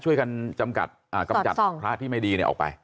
ช่วยกันจำกัดกำจัดพลาดที่ไม่ดีออกไป